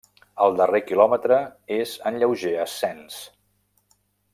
El darrer quilòmetre és en lleuger ascens.